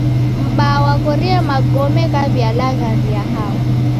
M'baa waghorie magome ghaw'ialagharia hao.